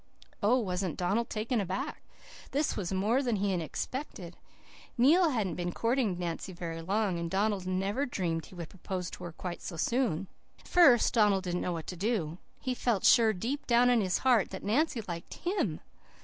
"Oh, wasn't Donald taken aback! This was more than he had expected. Neil hadn't been courting Nancy very long, and Donald never dreamed he would propose to her QUITE so soon. "At first Donald didn't know what to do. He felt sure deep down in his heart, that Nancy liked HIM.